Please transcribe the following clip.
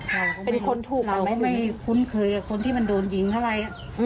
เราไม่คุ้นเคยกับคนที่มันโดนหญิงเท่าไร